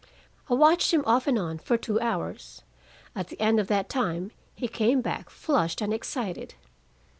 I watched him off and on for two hours. At the end of that time he came back flushed and excited.